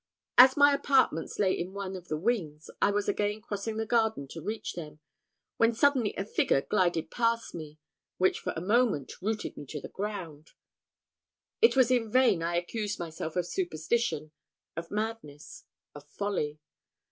As my apartments lay in one of the wings, I was again crossing the garden to reach them, when suddenly a figure glided past me, which for a moment rooted me to the ground. It was in vain I accused myself of superstition, of madness, of folly.